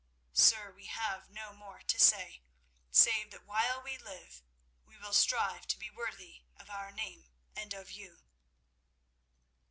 Sir, we have no more to say, save that while we live we will strive to be worthy of our name and of you."